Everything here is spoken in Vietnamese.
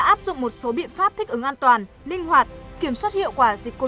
tỉnh đã áp dụng một số biện pháp thích ứng an toàn linh hoạt kiểm soát hiệu quả dịch covid một mươi chín